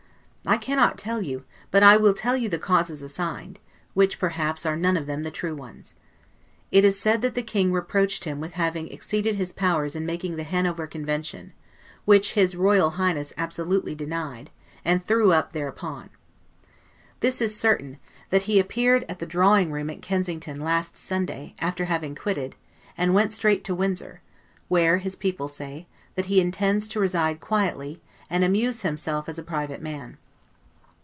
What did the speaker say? I cannot tell you, but I will tell you the causes assigned; which, perhaps, are none of them the true ones. It is said that the King reproached him with having exceeded his powers in making the Hanover Convention, which his R. H. absolutely denied, and threw up thereupon. This is certain, that he appeared at the drawing room at Kensington, last Sunday, after having quitted, and went straight to Windsor; where, his people say, that he intends to reside quietly, and amuse himself as a private man.